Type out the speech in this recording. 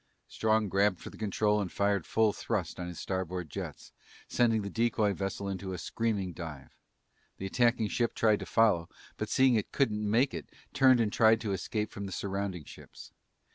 Strong grabbed for the control and fired full thrust on his starboard jets, sending the decoy vessel into a screaming dive. The attacking ship tried to follow, but seeing it couldn't make it, turned and tried to escape from the surrounding ships.